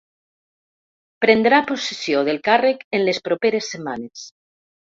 Prendrà possessió del càrrec en les properes setmanes.